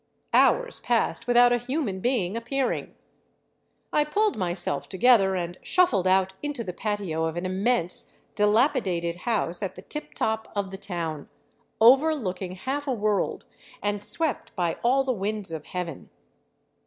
Hours passed without a human being appearing. I pulled myself together and shuffled out into the patio of an immense, dilapidated house at the tiptop of the town, overlooking half a world and swept by all the winds of heaven.